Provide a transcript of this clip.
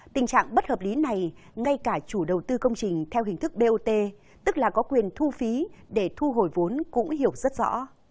tình trạng bất hợp lý này ngay cả chủ đầu tư công trình theo hình thức bot tức là có quyền thu phí để thu hồi vốn cũng hiểu rất rõ